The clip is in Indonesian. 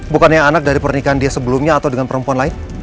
bukannya anak dari pernikahan dia sebelumnya atau dengan perempuan lain